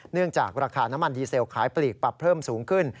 เนื่องจากราคาน้ำมันดีเซลขายปลีกปรับเพิ่มสูงขึ้น